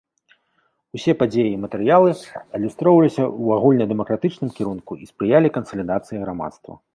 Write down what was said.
Усе падзеі і матэрыялы адлюстроўваліся ў агульнадэмакратычным кірунку і спрыялі кансалідацыі грамадства.